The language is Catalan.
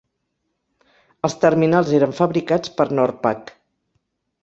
Els terminals eren fabricats per Norpak.